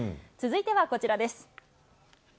続いてはこちらです。